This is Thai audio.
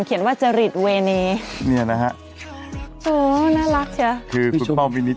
เขียนว่าจะหลีดเวเนเนี่ยนะฮะโอ้น่ารักเชียวคือคุณป้อมวินิส